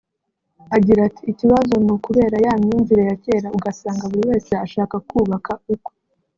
Agira ati “Ikibazo ni ukubera ya myumvire ya kera ugasanga buri wese ashaka kubaka ukwe